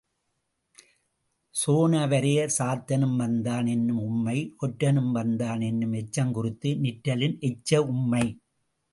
சேனாவரையர் சாத்தனும் வந்தான் என்னும் உம்மை கொற்றனும் வந்தான் என்னும் எச்சங் குறித்து நிற்றலின் எச்ச உம்மை.